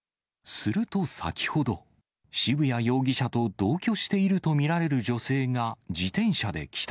すると先ほど、渋谷容疑者と同居していると見られる女性が自転車で帰宅。